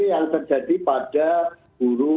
yang terjadi pada guru